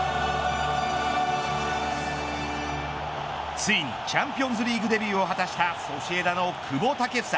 ついにチャンピオンズリーグデビューを果たしたソシエダの久保建英。